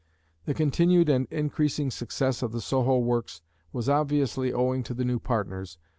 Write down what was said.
The continued and increasing success of the Soho works was obviously owing to the new partners.